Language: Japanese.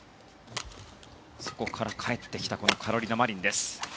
そこから帰ってきたカロリナ・マリンです。